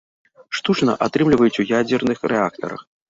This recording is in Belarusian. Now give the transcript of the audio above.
Штучна атрымліваюць у ядзерных рэактарах.